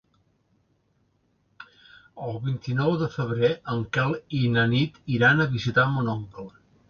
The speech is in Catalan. El vint-i-nou de febrer en Quel i na Nit iran a visitar mon oncle.